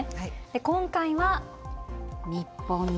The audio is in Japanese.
今回は日本の。